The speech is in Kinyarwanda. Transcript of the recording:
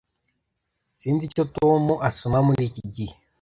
Sinzi icyo Tom asoma muri iki gihe